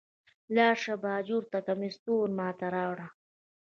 لاړ شه باجوړ ته کمیس تور ما ته راوړئ.